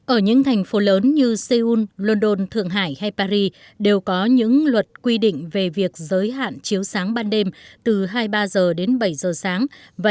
ở những thành phố lớn như seoul london thượng hải hay paris đều có những luật quy định về việc giới hạn chiếu sáng ban đêm từ hai mươi ba h đến bảy giờ sáng